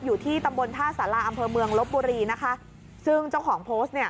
อยู่ที่ตำบลท่าสาราอำเภอเมืองลบบุรีนะคะซึ่งเจ้าของโพสต์เนี่ย